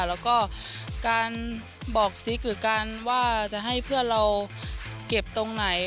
แล้วก็การบอกซิกหรือการว่าจะให้เพื่อนเราเก็บตรงไหน